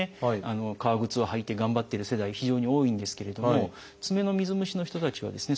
革靴を履いて頑張ってる世代非常に多いんですけれども爪の水虫の人たちはですね